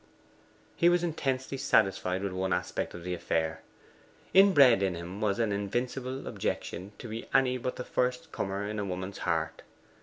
He was intensely satisfied with one aspect of the affair. Inbred in him was an invincible objection to be any but the first comer in a woman's heart.